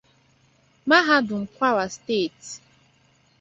Mahadum Kwara Steeti.